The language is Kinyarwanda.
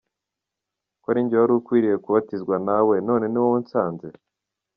Ko ari jye wari ukwiriye kubatizwa nawe, none ni wowe unsanze